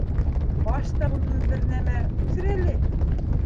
Ҡаш та булдымы бер нәмә, үҫер әле.